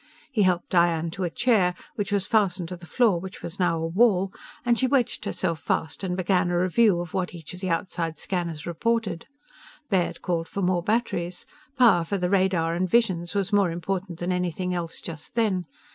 He helped Diane to a chair which was fastened to the floor which was now a wall and she wedged herself fast and began a review of what each of the outside scanners reported. Baird called for more batteries. Power for the radar and visions was more important than anything else, just then.